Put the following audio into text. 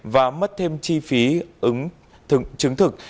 và mất thêm chi phí ứng chứng thực